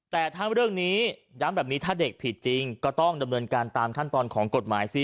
แต่ถ้าเรื่องนี้ย้ำแบบนี้ถ้าเด็กผิดจริงก็ต้องดำเนินการตามขั้นตอนของกฎหมายสิ